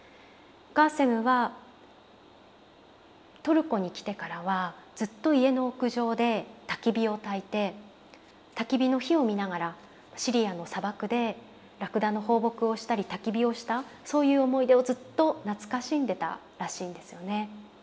ガーセムはトルコに来てからはずっと家の屋上でたき火をたいてたき火の火を見ながらシリアの砂漠でラクダの放牧をしたりたき火をしたそういう思い出をずっと懐かしんでたらしいんですよね。